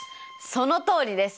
そのとおりです！